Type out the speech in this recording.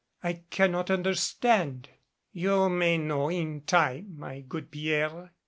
I cannot understand." "You may know in time, my good Pierre.